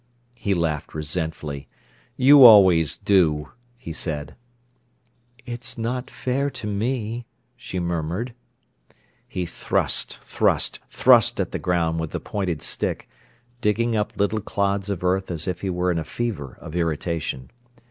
He laughed resentfully. "You always do," he said. "It's not fair to me," she murmured. He thrust, thrust, thrust at the ground with the pointed stick, digging up little clods of earth as if he were in a fever of irritation.